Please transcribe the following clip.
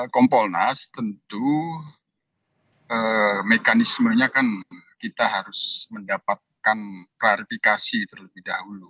kompolnas tentu mekanismenya kan kita harus mendapatkan klarifikasi terlebih dahulu